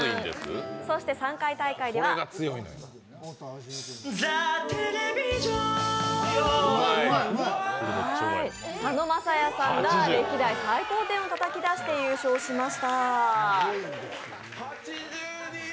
そして３回大会では佐野晶哉さんが歴代最高点をたたき出して優勝しました。